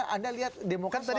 anda lihat demokrat sampai ini